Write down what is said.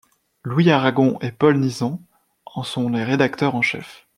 Louis Aragon et Paul Nizan en sont les rédacteurs en chefs.